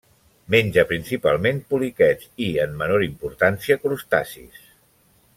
Menja principalment poliquets i, en menor importància, crustacis.